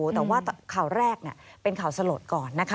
แต่ว่าข่าวแรกเป็นข่าวสลดก่อนนะคะ